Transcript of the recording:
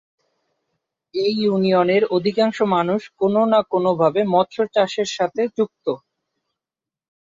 এই ইউনিয়নের অধিকাংশ মানুষ কোন না কোন ভাবে মৎস্য চাষের সাথে যুক্ত।